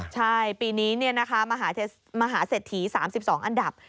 ใช่ปีนี้มหาเศรษฐี๓๒อันดับ